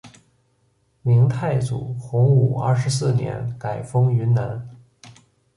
明太祖洪武二十四年改封云南。